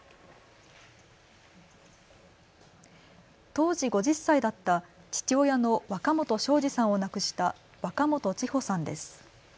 当時５０歳だった父親の若本昭司さんを亡くした若本千穂さんです。